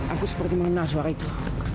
aku seperti mengenal suara itu